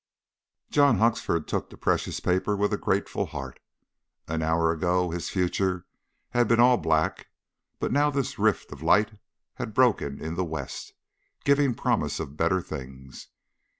John Huxford took the precious paper with a grateful heart. An hour ago his future had been all black, but now this rift of light had broken in the west, giving promise of better things.